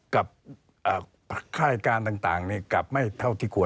กับค่ายการต่างกลับไม่เท่าที่ควร